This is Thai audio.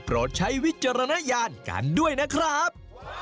ใช้วิจารณญาณกันด้วยนะครับ